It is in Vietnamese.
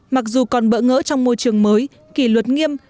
mặc dù còn bỡ ngỡ trong môi trường mới kỷ luật nghiêm